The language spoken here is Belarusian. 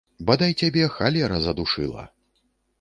Бадай цябе халера задушыла!